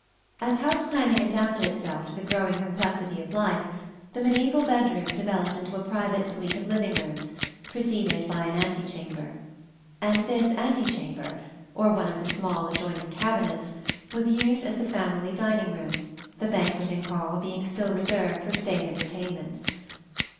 As house planning adapted itself to the growing complexity of life, the mediæval bedroom developed into a private suite of living rooms, preceded by an antechamber; and this antechamber, or one of the small adjoining cabinets, was used as the family dining room, the banqueting hall being still reserved for state entertainments.